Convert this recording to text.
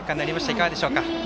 いかがでしょうか？